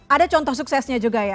ada contoh suksesnya juga ya